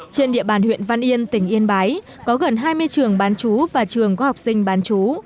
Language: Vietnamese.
trên địa bàn huyện văn yên tỉnh yên bái có gần hai mươi trường bán chú và trường có học sinh bán chú